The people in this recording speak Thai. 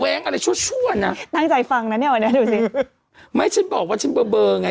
อะไรชั่วชั่วนะตั้งใจฟังนะเนี่ยวันนี้ดูสิไม่ฉันบอกว่าฉันเบอร์เบอร์ไง